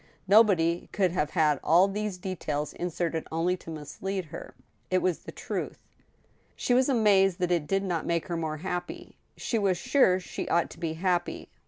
Nobody could have had all these details inserted only to mislead her. It was the truth. She was amazed that it did not make her more happy. She was sure she ought to be happy.